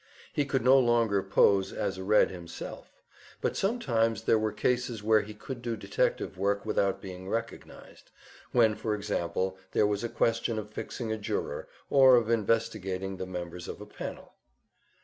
He could no longer pose as a Red himself, but sometimes there were cases where he could do detective work without being recognized; when, for example, there was a question of fixing a juror, or of investigating the members of a panel.